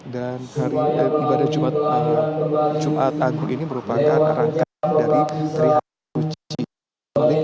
dan ibadah jumat agung ini merupakan rangka dari terihati uji katolik